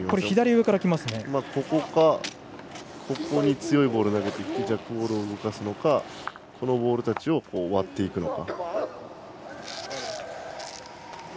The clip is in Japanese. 強いボール投げてきてジャックボールを動かすのかこのボールたちを割っていくのか。